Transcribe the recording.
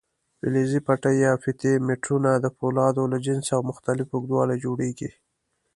فلزي پټۍ یا فیتې میټرونه د فولادو له جنسه او مختلف اوږدوالي جوړېږي.